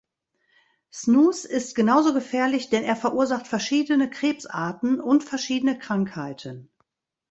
Snus ist genauso gefährlich, denn er verursacht verschiedene Krebsarten und verschiedene Krankheiten.